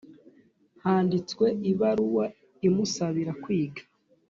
Handitswe ibaruwa imusabira kwiga